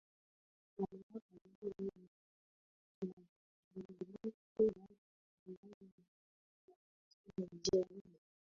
mamlaka ambayo inashughulikia kupambana na rushwa nchini nigeria